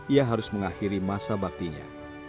ia harus mengakhiri masa baktinya